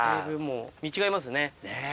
見違えますね。